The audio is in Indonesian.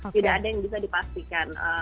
tidak ada yang bisa dipastikan